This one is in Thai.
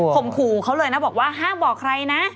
ขู่เขาเลยนะบอกว่าห้ามบอกใครนะ